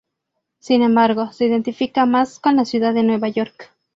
Sin embargo, se identifica más con la ciudad de Nueva York.